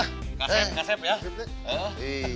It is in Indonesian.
kasep kasep ya